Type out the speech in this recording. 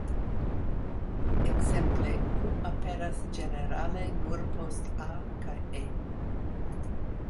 Ekzemple "ŭ" aperas ĝenerale nur post "a" kaj "e".